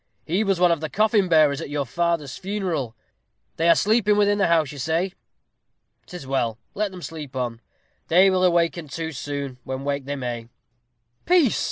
He was one of the coffin bearers at your father's funeral. They are sleeping within the house, you say. 'Tis well. Let them sleep on they will awaken too soon, wake when they may ha, ha!" "Peace!"